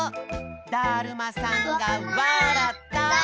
だるまさんがわらった！